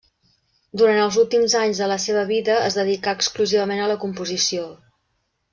Durant els últims anys de la seva vida es dedicà exclusivament a la composició.